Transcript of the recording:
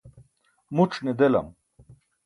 muc̣ ne delam.